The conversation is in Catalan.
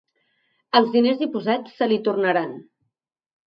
Els diners dipositats se li tornaran.